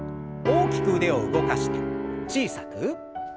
大きく腕を動かして小さく。